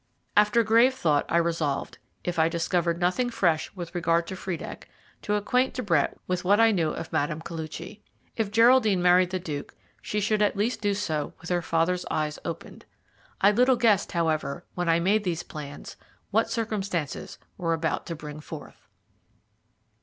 After grave thought I resolved, if I discovered nothing fresh with regard to Friedeck, to acquaint De Brett with what I knew of Mme. Koluchy. If Geraldine married the Duke, she should at least do so with her father's eyes opened. I little guessed, however, when I made these plans, what circumstances were about to bring forth.